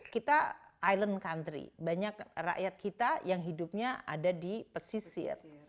kita island country banyak rakyat kita yang hidupnya ada di pesisir